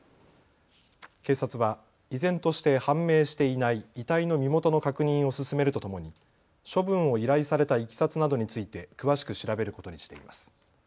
警察は依然として判明していない遺体の身元の確認を進めるとともに処分を依頼されたいきさつなどについて詳しく調べることにしています。